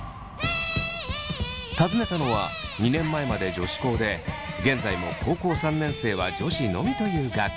訪ねたのは２年前まで女子校で現在も高校３年生は女子のみという学校。